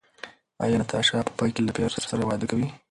ایا ناتاشا په پای کې له پییر سره واده کوي؟